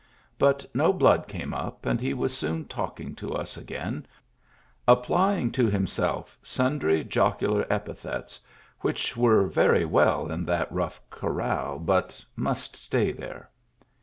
But no blood came up, and he was soon talking to us again, applpng to himself sundry jocular epithets which were very well in that rough corral, but must stay there.